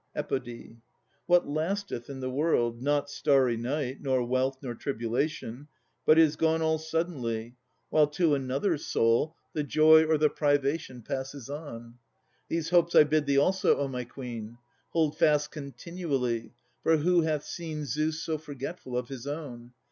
What lasteth in the world? Not starry night, III Nor wealth, nor tribulation; but is gone All suddenly, while to another soul The joy or the privation passeth on. These hopes I bid thee also, O my Queen! Hold fast continually, for who hath seen Zeus so forgetful of his own?